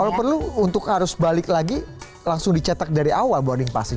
kalau perlu untuk arus balik lagi langsung dicetak dari awal boarding passing